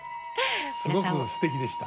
すごくすてきでした。